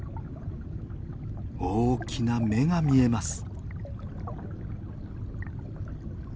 大きな目が見えます。